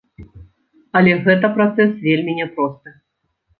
Але гэта працэс вельмі няпросты.